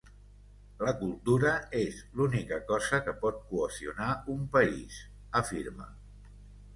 La cultura és l’única cosa que pot cohesionar un país, afirma.